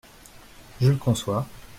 Je le conçois.